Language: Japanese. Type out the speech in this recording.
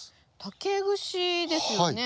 竹串ですよね？